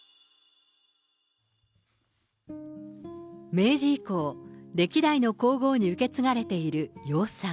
明治以降、歴代の皇后に受け継がれている養蚕。